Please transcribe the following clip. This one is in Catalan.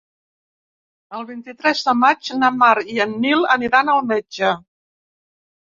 El vint-i-tres de maig na Mar i en Nil aniran al metge.